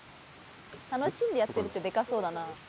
楽しんでやってるってデカそうだな。